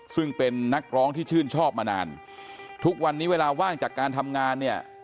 ซึ่งเป็นนักร้องที่ชื่นชอบมานานทุกวันนี้เวลาว่างจากการทำงานเนี่ย